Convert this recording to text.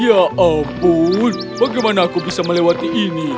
ya ampun bagaimana aku bisa melewati ini